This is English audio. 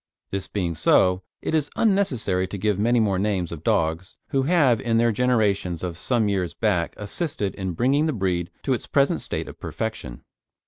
This being so, it is unnecessary to give many more names of dogs who have in their generations of some years back assisted in bringing the breed to its present state of perfection.